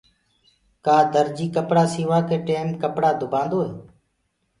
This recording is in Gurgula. ڪآ درجي ڪپڙآ سينوآ ڪي ٽيم ڪپڙو دُبآندوئي